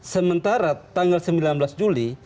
sementara tanggal sembilan belas juli